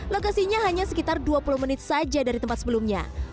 lokasinya hanya sekitar dua puluh menit saja dari tempat sebelumnya